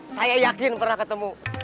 saya yakin pernah ketemu